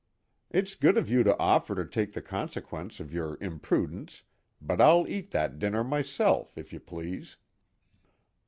It's good of you to offer to take the consequence of your impudence, but I'll eat that dinner myself, if you please."